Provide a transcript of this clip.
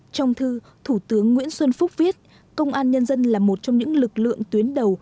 trong thư thủ tướng nguyễn xuân phúc viết công an nhân dân là một trong những lực lượng tuyến đầu